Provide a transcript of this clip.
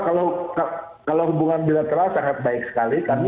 kalau hubungan bilateral sangat baik sekali